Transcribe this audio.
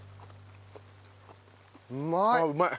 うまい！